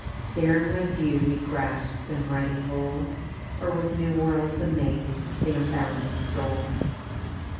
There in one view we grasp the mighty whole, Or with new worlds amaze th' unbounded soul.